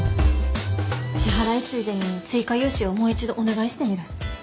支払いついでに追加融資をもう一度お願いしてみる。